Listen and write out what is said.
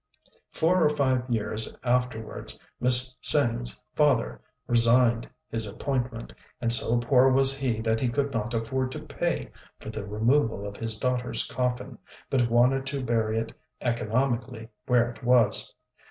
Four or five years afterwards, Miss Tsêng's father resigned his appointment, and so poor was he that he could not afford to pay for the removal of his daughter's coffin, but wanted to bury it economically where it was.